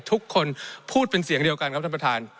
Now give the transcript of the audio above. ทุกคนพูดเป็นเสียงเดียวกันครับท่านประธาน